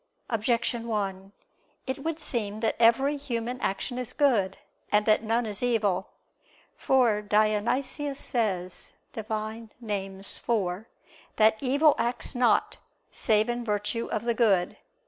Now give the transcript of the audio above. Objection 1: It would seem that every human action is good, and that none is evil. For Dionysius says (Div. Nom. iv) that evil acts not, save in virtue of the good.